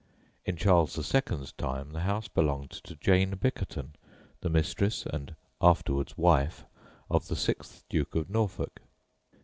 In Charles II.'s time the house belonged to Jane Bickerton, the mistress and afterwards wife of the sixth Duke of Norfolk.